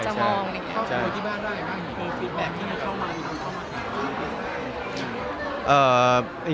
เข้าไปที่บ้านได้อะไรบ้างโปรฟิตแบบที่มีเข้ามาหรือเข้ามาไม่มี